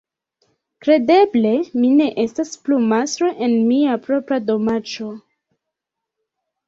Kredeble, mi ne estas plu mastro en mia propra domaĉo!